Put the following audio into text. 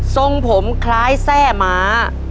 ทรงผมคล้ายแทร่ม้า